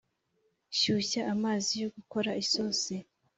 Shyushya amazi yo gukora isosi